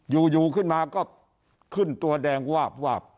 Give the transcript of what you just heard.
อยู่ขึ้นมาก็ขึ้นตัวแดงวาบวาบ